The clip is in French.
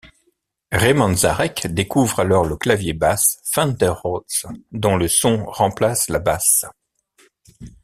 Ray Manzarek découvre alors le clavier-basse Fender Rhodes, dont le son remplace la basse.